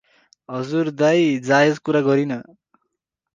हजुर दाइ जायज कुरा गरिन ।